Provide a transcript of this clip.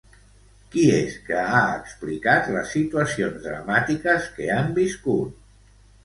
Qui és que ha explicat les situacions dramàtiques que han viscut?